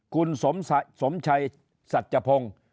คุณสมชัยสัจพงศ์